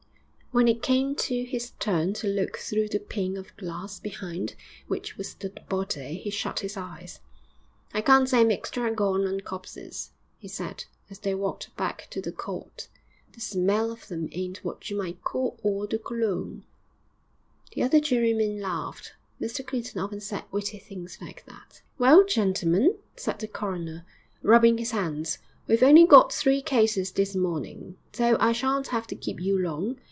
When it came to his turn to look through the pane of glass behind which was the body, he shut his eyes. 'I can't say I'm extra gone on corpses,' he said, as they walked back to the Court. 'The smell of them ain't what you might call eau de Cologne.' The other jurymen laughed. Mr Clinton often said witty things like that. 'Well, gentlemen,' said the coroner, rubbing his hands, 'we've only got three cases this morning, so I sha'n't have to keep you long.